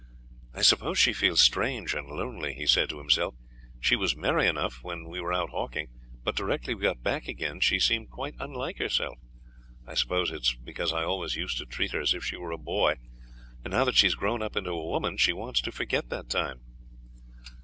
"I suppose she feels strange and lonely," he said to himself. "She was merry enough when we were out hawking; but directly we got back again she seemed quite unlike herself. I suppose it is because I always used to treat her as if she were a boy, and now that she has grown up into a woman she wants to forget that time."